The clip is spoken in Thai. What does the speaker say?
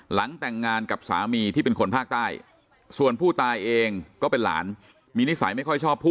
หลังแต่งงานกับสามีที่เป็นคนภาคใต้